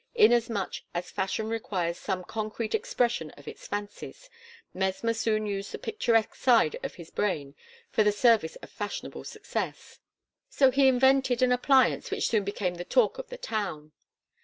Inasmuch as fashion requires some concrete expression of its fancies, Mesmer soon used the picturesque side of his brain for the service of fashionable success. So he invented an appliance which soon became the talk of the town.